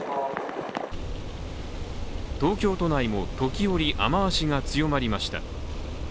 東京都内も時折雨足が強まりました。